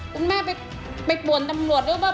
คุณแม่ไปป่วนตำรวจหรือเปล่า